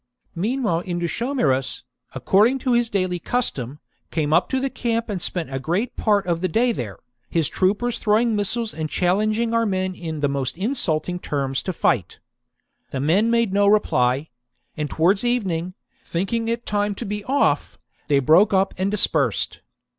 Mean while Indutiomarus, according to his daily custom, came up to the camp and spent a great part of V THE DOOM OF INDUTIOMARUS 169 the day there, his troopers throwing missiles and 54 b.c. challenging our men in the most insulting terms to fight. The men made no reply ; and towards evening, thinking it time to be off, they broke up and dispersed.